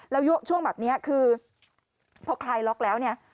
แล้วช่วงแบบนี้คือพอคลายล็อกแล้วเนี่ย